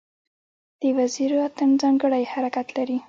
د وزیرو اتن ځانګړی حرکت لري.